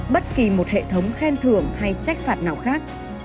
bất kỳ một hệ thống khen thưởng hay trách phạt nào khác